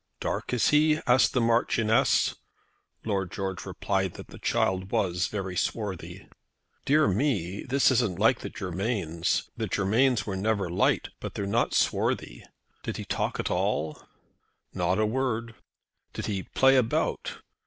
"Dark, is he?" asked the Marchioness. Lord George replied that the child was very swarthy. "Dear me! That isn't like the Germains. The Germains were never light, but they're not swarthy. Did he talk at all?" "Not a word." "Did he play about?"